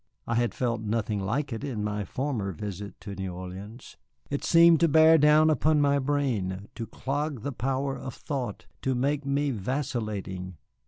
I had felt nothing like it in my former visit to New Orleans. It seemed to bear down upon my brain, to clog the power of thought, to make me vacillating.